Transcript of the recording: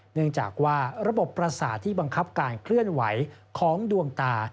เนื่องจากว่าระบบประสาทที่บังคับการเคลื่อนไหวของดวงตา